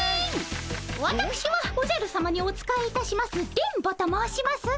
わたくしはおじゃるさまにお仕えいたします電ボと申しますが。